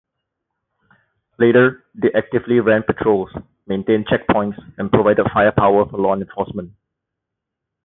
Later, they actively ran patrols, maintained checkpoints, and provided firepower for law enforcement.